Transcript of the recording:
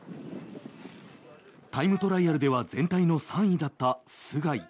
タイムトライアルでは全体の３位だった須貝。